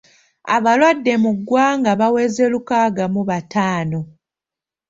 Abalwadde mu ggwanga baweze lukaaga mu bataano.